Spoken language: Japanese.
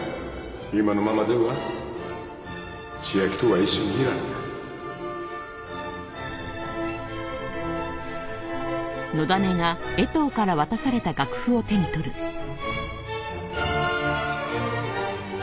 今のままでは千秋とは一緒にいられないスコア。